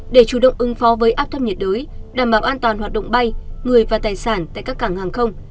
để chủ động ứng phó với áp thấp nhiệt đới đảm bảo an toàn hoạt động bay người và tài sản tại các cảng hàng không